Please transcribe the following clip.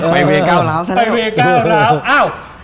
ไปเวก้าวแล้ว